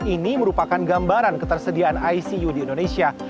ini merupakan gambaran ketersediaan icu di indonesia